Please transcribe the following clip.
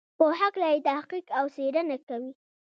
په هکله یې تحقیق او څېړنه کوي.